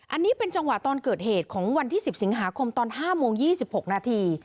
อันนี้เป็นจังหวะตอนเกิดเหตุของวันที่๑๐สิงหาคมตอน๕โมง๒๖นาที